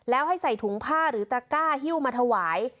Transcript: แล้วให้ใส่ถุงผ้าหรือตระก้าฮิ้วมาถวาย